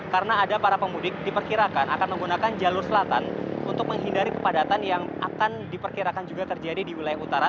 karena ada para pemudik diperkirakan akan menggunakan jalur selatan untuk menghindari kepadatan yang akan diperkirakan juga terjadi di wilayah utara